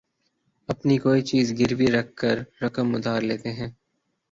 اپنی کوئی چیز گروی رکھ کر رقم ادھار لیتے ہیں